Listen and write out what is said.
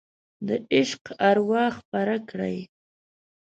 د عشق اروا خپره کړئ